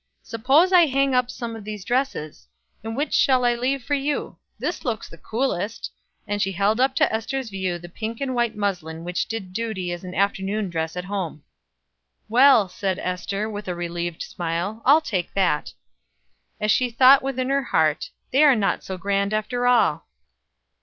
Suppose I hang up some of these dresses? And which shall I leave for you? This looks the coolest," and she held up to Ester's view the pink and white muslin which did duty as an afternoon dress at home. "Well," said Ester, with a relieved smile, "I'll take that." And she thought within her heart: "They are not so grand after all."